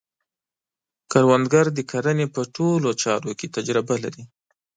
کروندګر د کرنې په ټولو چارو کې تجربه لري